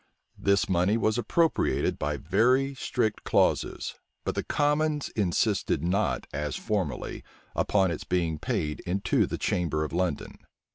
This money was appropriated by very strict clauses but the commons insisted not, as formerly, upon its being paid into the chamber of London.